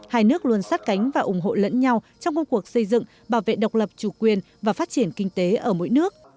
hai nước luôn sát cánh và ủng hộ lẫn nhau trong công cuộc xây dựng bảo vệ độc lập chủ quyền và phát triển kinh tế ở mỗi nước